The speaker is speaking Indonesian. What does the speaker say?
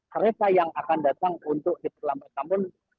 kereta yang akan datang untuk diperlambatkan pun